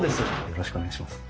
よろしくお願いします。